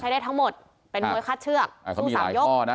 ใช้ได้ทั้งหมดเป็นโมยคัดเชือกเขามีหลายข้อนะ